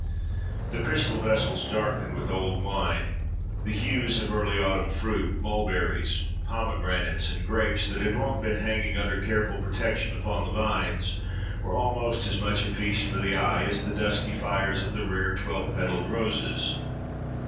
The crystal vessels darkened with old wine, the hues of the early autumn fruit—mulberries, pomegranates, and grapes that had long been hanging under careful protection upon the vines, were almost as much a feast for the eye, as the dusky fires of the rare twelve petalled roses.